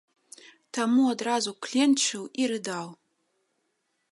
Таму адразу кленчыў і рыдаў!